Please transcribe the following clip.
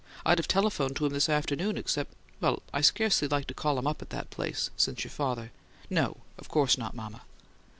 I'd have telephoned to him this afternoon except well, I scarcely like to call him up at that place, since your father " "No, of course not, mama."